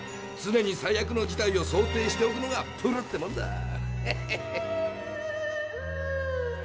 常に最悪の事態を想定しておくのがプロってもんだ。